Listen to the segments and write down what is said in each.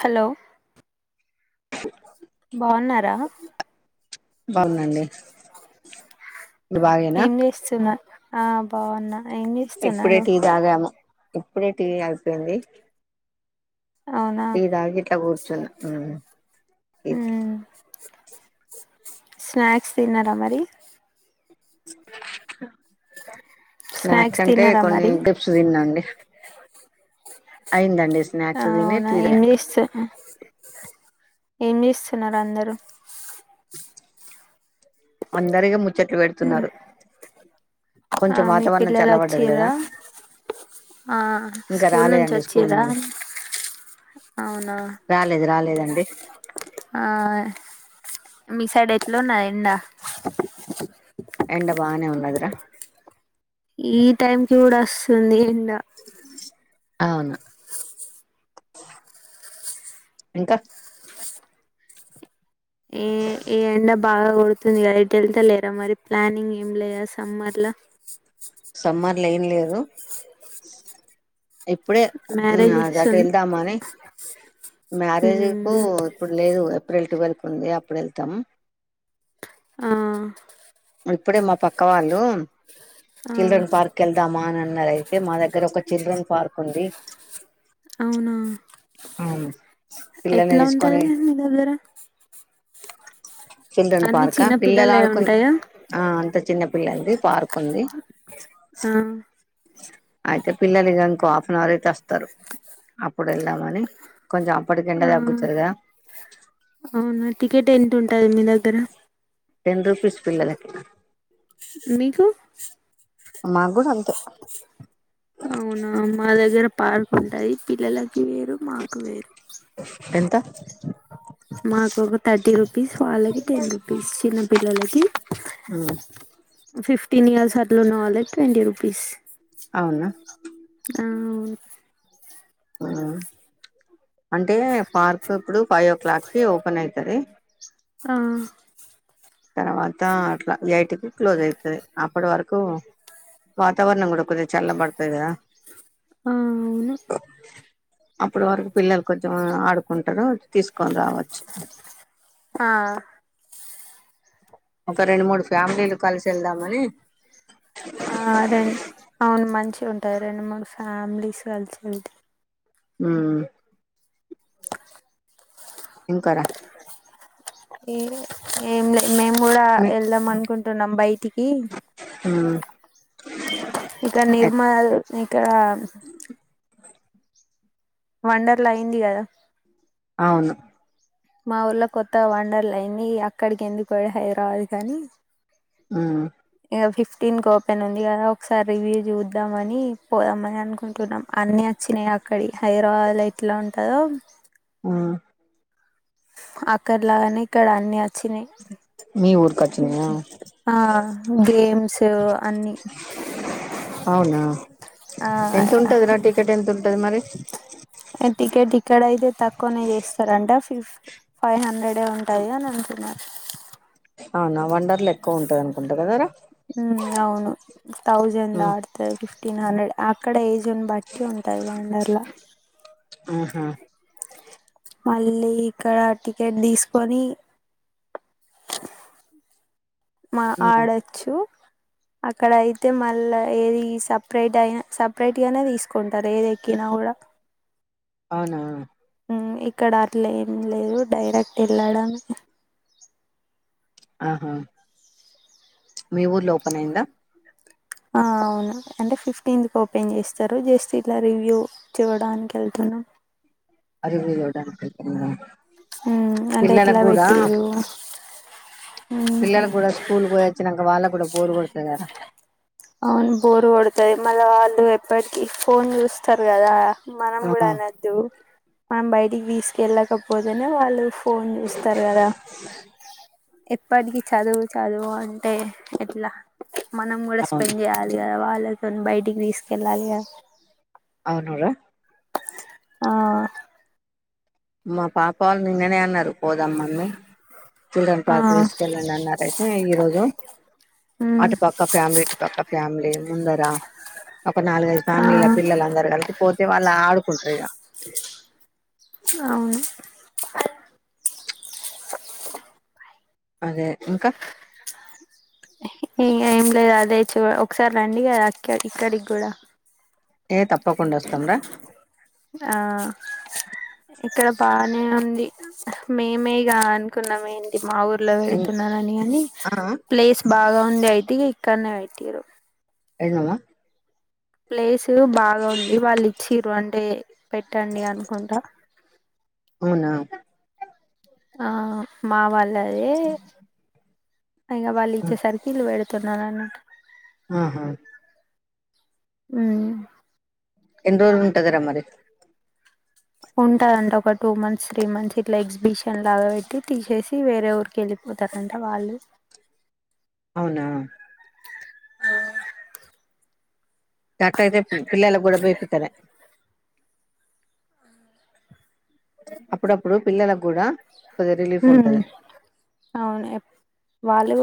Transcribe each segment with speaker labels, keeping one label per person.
Speaker 1: Hello బాగున్నారా
Speaker 2: బావున్నాండి
Speaker 1: ఏం చేస్తున్నా ఆ బావున్న
Speaker 2: ఇప్పుడే టీ తాగాము ఇప్పుడే టీ అయ్యిపోయింది
Speaker 1: అవునా
Speaker 2: టీ తాగి ఇట్లు కూర్చున్న ఇది
Speaker 1: మ్మ్ స్నాక్స్ తిన్నారా మరి
Speaker 2: స్నాక్స్ అంటే
Speaker 1: తిన్నారా
Speaker 2: కొన్ని
Speaker 1: మరి
Speaker 2: డిప్స్ తిన్నాండి అయిందండి
Speaker 1: అ
Speaker 2: స్నాక్స్ తిని
Speaker 1: అవున
Speaker 2: టీ తాగా
Speaker 1: ఇంగ్లీష్ ఏం చేస్తున్నారు అందరు
Speaker 2: అందరిగా ము చెట్లు పెడుతున్నారు
Speaker 1: ఆ
Speaker 2: కొంచెం
Speaker 1: మీ
Speaker 2: వాతావరణం
Speaker 1: పిల్లలు
Speaker 2: చల్ల పడది కదా
Speaker 1: వచ్చిర్రా ఆ
Speaker 2: ఇంకా
Speaker 1: స్కూల్ నుంచి
Speaker 2: రాలేదండి స్కూల్
Speaker 1: వచ్చిరా
Speaker 2: నుండి
Speaker 1: అవును
Speaker 2: రాలేదు రాలేదండి
Speaker 1: ఆ మీ సైడ్ ఎట్లా ఉన్నది ఎండ
Speaker 2: ఎండ బానే ఉన్నదిరా
Speaker 1: ఈ టైంకిి కూడా వస్తుంది ఎండ
Speaker 2: అవును ఇంకా
Speaker 1: ఏ ఎండా బాగా కొడుతుంది కదా ఎట్టు వెళ్తా లేరా మరి ప్లానింగ్ ఏం లేదా సమ్మర్ లా
Speaker 2: సమ్మర్ లో ఎమ్ లేదు ఇప్పుడే
Speaker 1: మ్యారేజ్
Speaker 2: అది అటు
Speaker 1: చేస్తుంది
Speaker 2: వెళ్దామాని మ్యారేజ్ కు
Speaker 1: మ్మ్
Speaker 2: ఇప్పుడు లేదు ఏప్రిల్ ట్వెల్త్ కి ఉంది అప్పుడు వెళ్తాము
Speaker 1: ఆ
Speaker 2: ఇప్పుడే మా పక్క వాళ్ళు
Speaker 1: ఆ
Speaker 2: చిల్డ్రన్ పార్క్ వెళ్దామా అని అన్నాది అయితే మా దగ్గర ఒక చిల్డ్రన్ పార్క్ ఉంది
Speaker 1: అవునా
Speaker 2: ఆ పిల్లల్ని
Speaker 1: ఎట్లా
Speaker 2: తీసుకొని
Speaker 1: ఉంటంది మీ దగ్గర
Speaker 2: చిల్డ్రన్
Speaker 1: అన్ని
Speaker 2: పార్కా
Speaker 1: చిన్న
Speaker 2: ఆ పిల్లలు
Speaker 1: పిల్లలే
Speaker 2: ఆడుకునే
Speaker 1: ఉంటాయా
Speaker 2: అంత చిన్నపిల్లలది పార్క్ ఉంది
Speaker 1: ఆ
Speaker 2: అయితే పిల్లలుంకో హాఫ్ అన్ హౌర్ అయితే వస్తారు అప్పుడు వెళ్దామని కొంచెం అప్పటికీ ఎండ
Speaker 1: ఆ
Speaker 2: తగ్గుతుంది కదా
Speaker 1: ఎట్లా ఉంటది మీ దాగర
Speaker 2: టెన్ రూపీస్ పిల్లలకి
Speaker 1: మీకు
Speaker 2: మా గూడా అంతే
Speaker 1: అవునా మా దగ్గర పార్క్ ఉంటది పిల్లల కి వేరు మాకు వేరు
Speaker 2: ఎంత
Speaker 1: మాకు ఒక థర్టీ రూపీస్ వాళ్ళకి టెన్ రుపీస్ చిన్న పిల్లలకి
Speaker 2: ఆమ్మ్
Speaker 1: ఫిఫ్టీన్ ఇయర్స్ అట్లు ఉన్నవాలికి ట్వంటీ రూపీస్
Speaker 2: అవునా
Speaker 1: అ
Speaker 2: అంటే పార్క్ ఇప్పుడు ఫైవ్ ఓ క్లాక్ కి ఓపెన్ అయితది
Speaker 1: హ
Speaker 2: తర్వాత అట్లా ఎయిట్ కి క్లోజ్ ఐతది అప్పటి వరకు వాతవరణం కూడా కొద్దిగా చల్ల బడుతది కదా
Speaker 1: ఆ అవున
Speaker 2: అప్పుడు వరకు పిల్లలు కొంచం ఆడుకుంటారు తీసుకొన్ రావచ్చు
Speaker 1: ఆ
Speaker 2: ఒక రెండు మూడు ఫ్యామిలీలు కలిసి ఎళ్దాంమని
Speaker 1: ఆ రెం అవును మంచిగ ఉంటాయ్ రెండు మూడు ఫ్యామిలీస్ కలిసి ఎల్తే
Speaker 2: మ్ ఇంకా రా
Speaker 1: ఈ ఏం లే మేము కూడా
Speaker 2: మీ
Speaker 1: ఎళ్దాం అనుకుం నం బాయిటికి
Speaker 2: హ్మ్మ్
Speaker 1: ఇక్కడ నిర్మల్ ఇక్కడ వండర్లా అయింది కదా
Speaker 2: అవును
Speaker 1: మా ఊర్ళ కొత్తగ వండర్ల అయింది అక్కడికి ఎందుకు పడి హైదరాబాద్ కానీ
Speaker 2: మ్
Speaker 1: ఇగ ఫిఫ్టీన్ కి ఓపెన్ ఉంది కదా ఒకసారి రివ్యూ చూద్దాంమని పోదామని అనుకుంటున్నాం అన్ని చ్చినాయి అక్కడి హైదరాబాద్ లో ఎట్లా ఉంటదో
Speaker 2: హ
Speaker 1: అక్కడలాగానే ఇక్కడ అన్ని ఆచ్చినాయి
Speaker 2: మీ ఊరికి వచ్చినయా
Speaker 1: ఆ గేమ్స్ అన్ని
Speaker 2: అవునా ఎంత
Speaker 1: ఆ
Speaker 2: ఉంటదిరా టికెట్ ఎంత ఉంటది మరి
Speaker 1: టికెట్ ఇక్కడ అయితే తక్కువనే చేస్తారంట ఫిఫ్ ఫైవ్ హండ్రెడే ఉంటది అని అంటునారు
Speaker 2: అవునా వండర్ల ఎక్కువ ఉంటది అనుకుంటా కదారా
Speaker 1: ఉ అవును థౌసండ్
Speaker 2: ఉమ్
Speaker 1: దట్తది ఫిఫ్టీన్ హండ్రెడ్ అ క్కడ ఏజున్ బట్టి ఉంటది వండర్లా
Speaker 2: ఆహా
Speaker 1: మళ్ళీ ఇక్కడ టికెట్ దిస్కొని మా
Speaker 2: ఉమ్
Speaker 1: ఆడచ్చు అక్కడ ఆయితే మళ్ళా ఏది సపరేట్ అయినా సపరేట్ గానే తీసుకుంటారు ఏది ఎక్కినా గూడా
Speaker 2: అవునా
Speaker 1: మ్ ఇక్కడ అట్లే ఏం లేదు డైరెక్ట్ ఎల్లడమే
Speaker 2: ఆహా మీ ఊర్లో ఓపెన్ అయిందా
Speaker 1: ఆ అవును అంటే ఫిఫ్టీన్త్ ఓపెన్ చేస్తారు జస్ట్ ఇట్లా రివ్యూ చూడానికి ఏళ్ల్తునం
Speaker 2: అరివలో ఇవ్వడానికి వెళ్తున్నావా
Speaker 1: మ్ అంటే ఎట్లా పెట్టిరు ఉమ్
Speaker 2: పిల్లలకు కూడా స్కూల్ పోయొచ్చినక వాళ్ళక్ కూడా బోరు కొడుతది కదర
Speaker 1: అవును బోరు కోడుతాది మళ్ళ వాళ్ళు ఎప్పటికి ఫోన్ చూస్తారు కదా మనం కూడా
Speaker 2: ఆ
Speaker 1: అనద్దు మనం బయటికి తీస్కెళ్ళకపోతేనే వాళ్ళు ఫోన్ చుస్తారు కదా ఎప్పటికి చదువు చదువు అంటే ఎట్లా మనం కూడా పన్
Speaker 2: అవును
Speaker 1: చేయాలి గదా వాళ్ళతోన్ బయటికి తీస్కెల్లాలి గా
Speaker 2: అవును రా
Speaker 1: ఆ
Speaker 2: మా పాప అల్లు నిన్ననే అన్నరు. పోదాం మమ్మీ చిల్డ్రన్
Speaker 1: ఆ
Speaker 2: పార్క్ తీసుకెళ్ళండి అన్నార్ అయితే ఈరోజు
Speaker 1: ఉమ్
Speaker 2: అటుపక్క ఫ్యామిలీ ఇటుపక్క ఫ్యామిలీ ముందరా ఒక నాలుగైదు
Speaker 1: ఆ
Speaker 2: ఫ్యామిలీ ఇగ పిల్లలందరు గలిసి పోతే వాళ్ ఆడుకుంటారు ఇగ
Speaker 1: ఔను
Speaker 2: అదే ఇంకా
Speaker 1: ఇంగ ఏం లేదు అదే ఇచ్చివో ఒకసారి రండి గద అక్క ఇక్కడికి గూడా.
Speaker 2: ఏ తప్పకుండా ఓస్తాంరా
Speaker 1: ఆ ఇక్కడ బానే ఉంది. మేమేగా అనుకున్నాం ఏంటి మా ఊర్ లో వెడుతున్నారని గాని
Speaker 2: ఆ
Speaker 1: ప్లేస్ బాగా ఉండె అయితె ఇక్కడ్నే వెట్టిరు.
Speaker 2: ఎందమ్మ
Speaker 1: ప్లేసు బాగా ఉంది వాళ్ళు ఇచ్చిరు అంటే పెట్టండి అనుకుంటా.
Speaker 2: అవునా
Speaker 1: ఆహ్ మా వాళ్ళ లవే ఇంగ వాళ్ళు ఇచ్చేసరికి ఇలూ పెడ్ తున్నారు అన్నట్టు
Speaker 2: ఆహా
Speaker 1: ఉమ్
Speaker 2: ఎన్ని రోజులు ఉంటదిరా మరి?
Speaker 1: ఉంటదంట ఒక టూ మంత్స్, త్రీ మంత్స్ ఇట్లా ఎగ్జిబిషన్ లాగా పెట్టి తీసేసి వేరే ఊరికి వెళ్ళి పోతారంట వాళ్ళు
Speaker 2: ఔనా
Speaker 1: ఆహ్
Speaker 2: దాట్టాయితే పి పిల్లలక్ గూడా బోయిపీతలే అప్పుడప్పుడు పిల్లలక్ గూడా
Speaker 1: ఉమ్ అవునేప్ వాళ్లు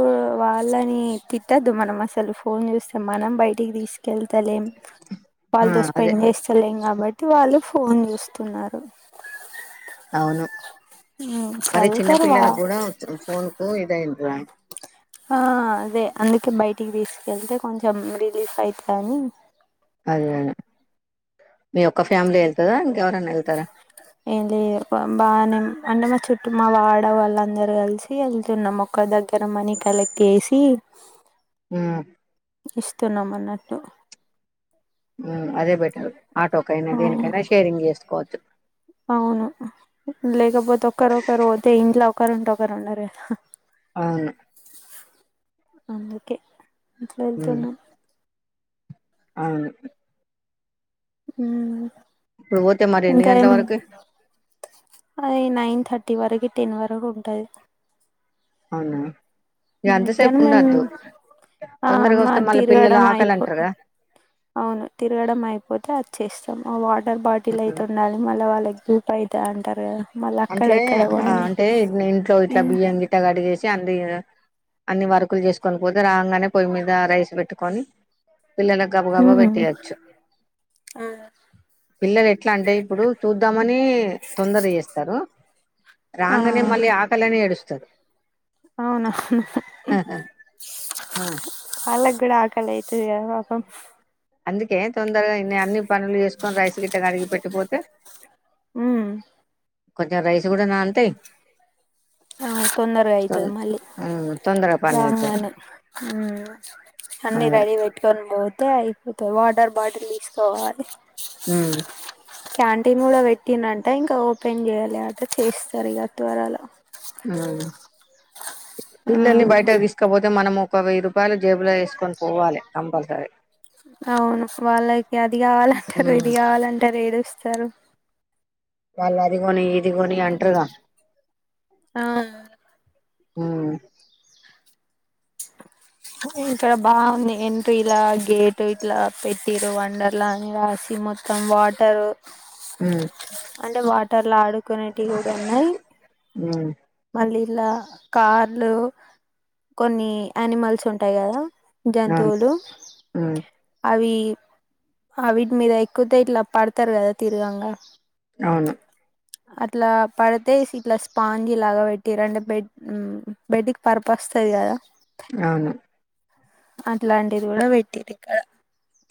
Speaker 1: వాళ్ళని తిట్టొద్దు మనం అసలు ఫోన్ జుస్తే మనం బైటికి తీస్ కెళ్తలేం
Speaker 2: ఆ
Speaker 1: వాల్తో
Speaker 2: అదే
Speaker 1: స్పెండ్ జేస్తలేం కాబ ట్టి వాళ్ళు ఫోన్ జుస్తున్నారు.
Speaker 2: ఔను మరి చిన్న
Speaker 1: చదువుతారు వా
Speaker 2: పిల్లలక్ గూడా ఫోన్కు ఇదయిన్ రా
Speaker 1: ఆ అదే అందుకే బయటికి తీస్కెళ్తే కొంచం రిలీఫ్ అయిత అని
Speaker 2: ఉమ్ మీ ఒక్క ఫ్యామిలీ ఎళ్తదా?
Speaker 1: ఏం లే భ బాన్నాను అంటే మా చుట్టు మా వాడవాళ్ళందరూ గలిసి ఏళ్తున్నాం ఒక్క దగ్గర మనీ కలెక్ట్ ఏసి
Speaker 2: ఉమ్
Speaker 1: ఇస్తున్నాం అన్నట్టు
Speaker 2: ఉమ్ అదే బెటర్ ఆటోకైనా,
Speaker 1: అవును
Speaker 2: దేనికైనా షేరింగ్ జేసుకోవచ్చు.
Speaker 1: అవును లేకపోతే ఒకరోకరు వోతే ఇంట్లో ఒకరుంటే ఒకరు ఉండరు గదా.
Speaker 2: ఔను
Speaker 1: అందుకే ఇట్లెళ్తున్నాం
Speaker 2: ఔను
Speaker 1: ఉమ్
Speaker 2: ఇప్పుడు బోతే మరి ఎన్ని గంట్ల వరకి?
Speaker 1: అది నైన్ థర్టీ వరకి, టెన్ వరకు ఉంటది.
Speaker 2: ఔనా
Speaker 1: హ్మ్.
Speaker 2: ఎంతసేపు
Speaker 1: కానీ మేము
Speaker 2: ఉండద్దు.
Speaker 1: ఆ మా
Speaker 2: తొందరగోస్తే మళ్ళా పిల్లలు
Speaker 1: తిరగడం
Speaker 2: ఆకలి
Speaker 1: అయిపో
Speaker 2: అంటారుగా.
Speaker 1: అవును తిరగడం అయిపోతే ఓచ్చేస్ వాటర్ బాటిల్ అయితే ఉండాలి మళ్ళ వాళ్ళకి దూపైతాద్ అంటారు గదా.
Speaker 2: అంట్లే ఆ అంటే ఇ ఇంట్లో ఇట్లా బియ్యం గిట్ట కడిగేసి అంనీ అన్ని వరుకులు జేసుకొని పోతే రాంగానే పొయ్యి మీద రైస్ పెట్టుకొని పిల్లలక్ గబ గబ
Speaker 1: మ్మ్
Speaker 2: వేట్టియొచ్చు పిల్లలెట్లా అంటే ఇపుడు చూద్దామని తొందర చేస్త్ అ
Speaker 1: ఆ
Speaker 2: రాంగనే మళ్ళీ ఆకలిని ఏడుస్తరు
Speaker 1: అవును హుహుహుమ్
Speaker 2: ఆ,
Speaker 1: ఆళ్లగూడ ఆ కలైతది గద పాపం
Speaker 2: అందుకే తొందరగా ఇన్నన్ని పనులు జెస్కోని రైస్ గిట్ట కడిగి పెట్టిపోతే
Speaker 1: ఉమ్
Speaker 2: కొంచెం రైస్ గూడా నాంతయి
Speaker 1: ఆ తొందరగా ఐతది మళ్ళీ
Speaker 2: తొందర పని అయితది
Speaker 1: రాగానే హుమ్ అన్ని
Speaker 2: అదే
Speaker 1: రెడీ వెట్టుకొని పోతే యిపోత వాటర్ బాటిల్ తీస్క పోవాలి
Speaker 2: మ్మ్
Speaker 1: క్యాంటీన్ గూడా పెట్టిండ్రంట ఇంక ఓపెన్ జేయలే అట చేస్తరు ఇగ త్వరలో
Speaker 2: మ్మ్
Speaker 1: ఆ
Speaker 2: పిల్లల్ని బయట తీస్కావోతే మనము ఒక వెయ్యి రూపాయలు జేబులో ఏస్కొని పోవాలి కంపల్సరీ
Speaker 1: అవును వాళ్ళకి అది గావాలంటరు
Speaker 2: ఉమ్
Speaker 1: ఇది గావాలంటరు ఏడుస్తరు
Speaker 2: వాళ్ళదిగొని ఇదిగొని అంటర్గా
Speaker 1: ఆ
Speaker 2: ఉమ్
Speaker 1: ఇక్కడ బాగుంది ఎంట్రీ ఇలా గేట్ ఇట్లా పెట్టిరు వండర్ లా అని రాసి మొత్తం వాటరు
Speaker 2: ఉమ్
Speaker 1: అంటే వాటర్ల ఆడుకునేటివి గూడున్నయి
Speaker 2: ఉ
Speaker 1: లా కార్లు కొన్ని ఆనిమల్స్ ఉంటయి గదా
Speaker 2: అవును
Speaker 1: జంతువులు
Speaker 2: ఉమ్
Speaker 1: అవీ ఆవీట్మిద ఎక్కుతే ఇట్ల పడ్తరు గదా తిర్గంగా
Speaker 2: అవును
Speaker 1: అట్లా పడితే ఇస్ ఇట్లా స్పాంజి లాగా వెట్టిర్రు అంటే బెడ్ బెడ్కిపర్పస్ స్తది గదా
Speaker 2: అవును
Speaker 1: అట్లాంటిది గూడా పెట్టిర్రిక్కడ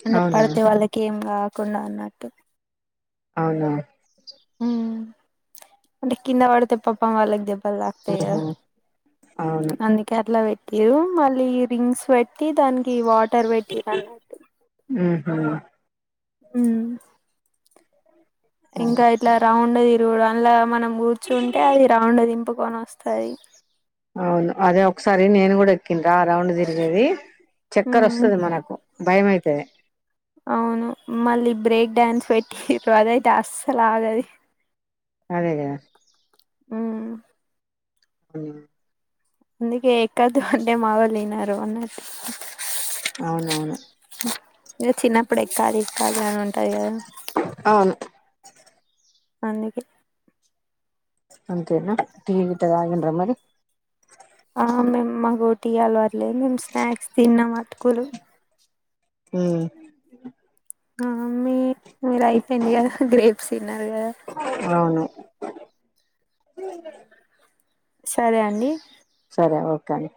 Speaker 1: అంటే
Speaker 2: అవునా
Speaker 1: పడితే వాళ్ళకి ఏంగాక్ కుండ అన్నట్టు
Speaker 2: అవును
Speaker 1: మ్మ్ అంటే కింద వడితే పాపం వాలక్ దెబ్ బల్ తాక్తయ్ గదా
Speaker 2: ఆహా అవును
Speaker 1: అందుకే అట్లా వెట్ టిరు మళ్ళీ రింగ్స్ వెట్టి దానికి వాటర్ వెట్టిర్రన్నట్టు
Speaker 2: హు
Speaker 1: మ్ ఇంకా ఇట్లా రౌండ్ దిరుగుడు అండ్ల మనం కూర్చుంటే అది రౌండ్ దింపుక్ కొనస్తది
Speaker 2: ది నేను కూడా ఎక్కిన్రా రౌండ్ దిర్గేది చక్కర్
Speaker 1: హ్మ్
Speaker 2: వొస్తది మనకు భయమైతది
Speaker 1: అవును మళ్ళీ బ్రేక్ డాన్స్ వెట్టిర్రు అదైతే అస్సలాగది
Speaker 2: అదేగదా
Speaker 1: ఉమ్
Speaker 2: ఉమ్
Speaker 1: అందుకే ఎక్కద్దు అంటే మావోలినరు అన్నట్టు
Speaker 2: అవునవును
Speaker 1: ఇగా చిన్నప్పుడు ఎక్కాలి ఎక్కాలని ఉంటది గదా
Speaker 2: అవును
Speaker 1: అందుకే
Speaker 2: అంతేనా టీ గిట్ట తాగిండ్రా మరి
Speaker 1: ఆ మేం మాకో టీ అలవాట్లేద్ మేం స్నాక్స్ తిన్నాం అట్కూలు
Speaker 2: మ్
Speaker 1: ఆ మీ మీరు అయిపోయింది గదా గ్రేప్స్ తిన్నరు గదా
Speaker 2: అవును
Speaker 1: సరే అండి
Speaker 2: సరే ఓకె అండి